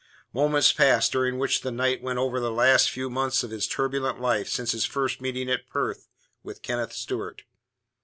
Moments passed, during which the knight went over the last few months of his turbulent life since his first meeting at Perth with Kenneth Stewart.